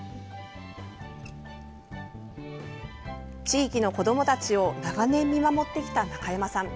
地域の子どもたちを長年、見守ってきた中山さん。